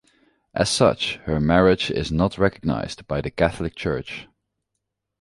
As such, her marriage is not recognized by the Catholic Church.